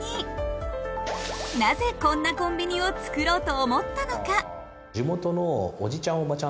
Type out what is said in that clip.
なぜこんなコンビニを作ろうと思ったのか？